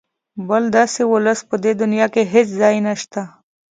بل داسې ولس په دې دونیا کې هېڅ ځای نشته.